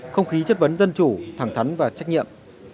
không khí chất vấn dân chủ thẳng thắn và trách nhiệm